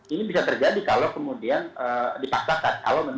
ini bisa terjadi kalau kemudian dipaksakan